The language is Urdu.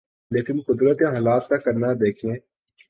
لیکن قدرت یا حالات کا کرنا دیکھیے۔